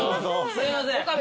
すいません。